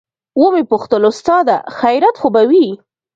ومې پوښتل استاده خيريت خو به وي.